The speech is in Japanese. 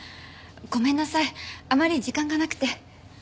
ごめんなさいあまり時間がなくて。